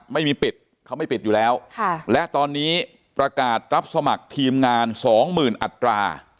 ไม่มีปิดเขาไม่ปิดอยู่แล้วและตอนนี้ประกาศรับสมัครทีมงานสองหมื่นอัตรา